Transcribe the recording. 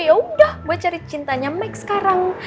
yaudah gue cari cintanya mike sekarang